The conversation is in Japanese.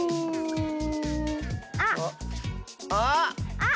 あっ。